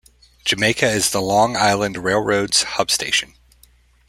Jamaica is the Long Island Rail Road's hub station.